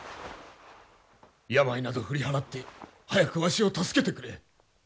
病など振り払って早くわしを助けてくれ。